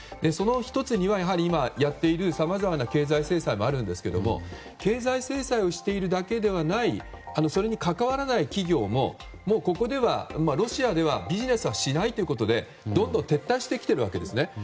その１つには、今やっているさまざまな経済制裁もあるんですけども経済制裁をしているだけではないそれに関わらない企業もロシアではビジネスはしないということでどんどん撤退してきているんですね。